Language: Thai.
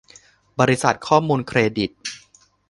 บริษัทข้อมูลเครดิต